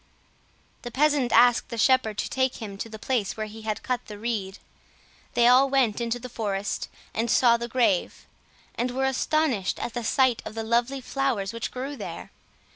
The peasant asked the shepherd to take him to the place where he had cut the reed. They all went into the forest, saw the grave, and were astonished at the sight of the lovely flowers which grew there.